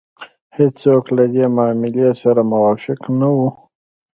هېڅوک له دې معاملې سره موافق نه وو.